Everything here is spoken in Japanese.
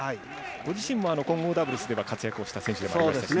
ご自身も混合ダブルスでは活躍した選手でもありましたしね。